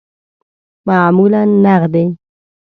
معمولاً نغدی